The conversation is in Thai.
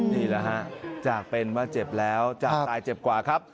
นี่แหละฮะจากเป็นว่าเจ็บแล้วจากตายเจ็บกว่าครับ